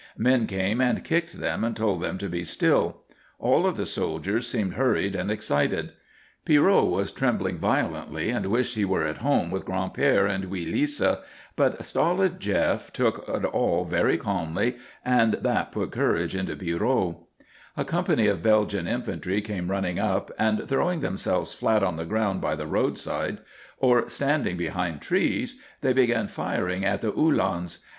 Men came and kicked them and told them to be still; all of the soldiers seemed hurried and excited. Pierrot was trembling Violently and wished he were at home with Gran'père and wee Lisa, but stolid Jef took it all very calmly and that put courage into Pierrot. A company of Belgian infantry came running up, and throwing themselves flat on the ground by the roadside, or standing behind trees, they began firing at the Uhlans.